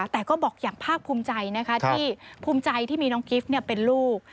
แต่ก็บอกอย่างภาคภูมิใจนะคะที่ภูมิใจที่มีน้องกิฟต์เป็นลูก